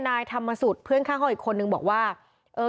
นายธรรมสุทธิเพื่อนข้างห้องอีกคนนึงบอกว่าเออ